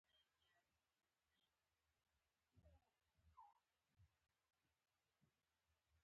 یو فرهنګي تړون یې هم لاسلیک کړ چې د دواړو هېوادونو په ګټه و.